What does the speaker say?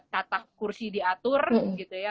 tatak kursi diatur gitu ya